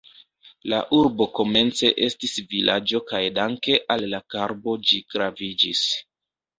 La urbo komence estis vilaĝo kaj danke al la karbo ĝi graviĝis.